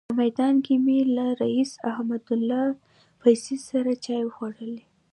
په میدان کې مې له رئیس احمدالله فیضي سره چای وخوړل.